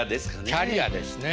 キャリアですね。